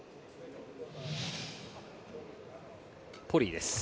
ポリイです。